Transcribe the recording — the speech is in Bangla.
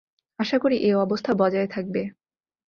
আশা করি, এ অবস্থা বজায় থাকবে।